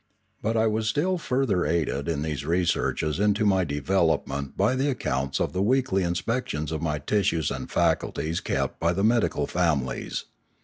But I was still further aided in these researches into my development by the accounts of the weekly inspec tion of my tissues and faculties kept by the medical fam ilies.